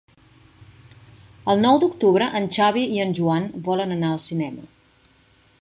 El nou d'octubre en Xavi i en Joan volen anar al cinema.